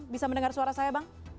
bisa mendengar suara saya bang